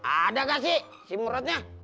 ada gak sih si murotnya